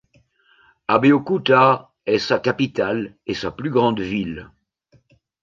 Abeokuta est sa capitale et sa plus grande ville.